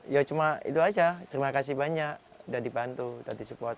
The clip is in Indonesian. ya cuma itu aja terima kasih banyak sudah dibantu sudah disupport